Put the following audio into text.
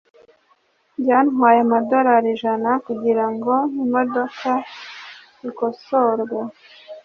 byatwaye amadorari ijana kugirango imodoka ikosorwe